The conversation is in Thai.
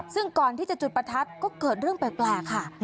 ซึ่งก่อนที่จะจุดประทัดก็เกิดเรื่องแปลกค่ะ